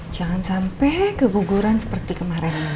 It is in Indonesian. jangan sampai keguguran seperti kemarin